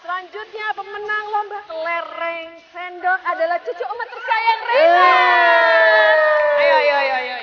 selanjutnya pemenang lomba kelereng sendok adalah cucu umat tersayang rela